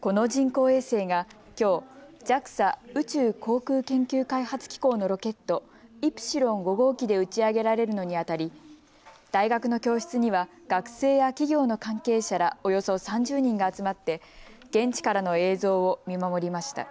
この人工衛星がきょうＪＡＸＡ・宇宙航空研究開発機構のロケット、イプシロン５号機で打ち上げられるのにあたり大学の教室には学生や企業の関係者らおよそ３０人が集まって現地からの映像を見守りました。